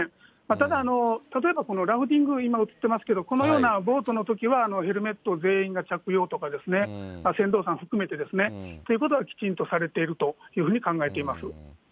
ただ、例えばラフティング、今、映ってますけど、このようなボートのときは、ヘルメット、全員が着用とか、船頭さん含めてですね、ということはきちんとされているというふうに考えています。